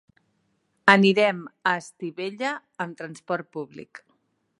Anirem a Estivella amb transport públic.